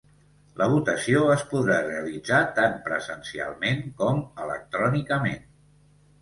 La votació es podrà realitzar tant presencialment com electrònicament.